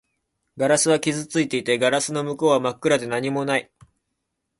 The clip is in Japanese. ガラスは傷ついていて、ガラスの向こうは真っ暗で何もない